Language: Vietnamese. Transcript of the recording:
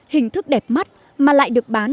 hình thức đẹp mắt mà lại được bán